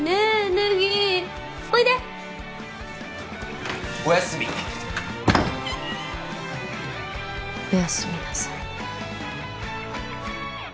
ネギおいでおやすみおやすみなさい